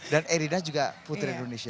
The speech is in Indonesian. dan erina juga putri indonesia